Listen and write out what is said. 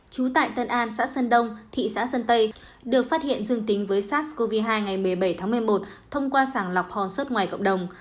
trú tại tân an xã sơn đông thị xã sơn tây được phát hiện dương tính với sars cov hai ngày một mươi bảy tháng một mươi một thông qua sàng lọc hòn xuất ngoài cộng đồng